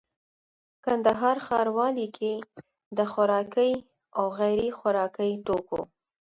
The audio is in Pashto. کندهار ښاروالي کي د خوراکي او غیري خوراکي توکو